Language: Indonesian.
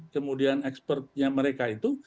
kemudian ekspertnya mereka itu